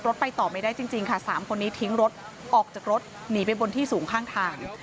ไปต่อไม่ได้จริงค่ะ๓คนนี้ทิ้งรถออกจากรถหนีไปบนที่สูงข้างทาง